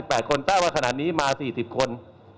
ออกไป๑๕๘คนแต่ว่าขนาดนี้มา๔๐คน